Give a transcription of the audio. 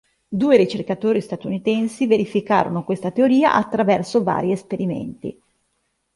Due ricercatori statunitensi verificarono questa teoria attraverso vari esperimenti.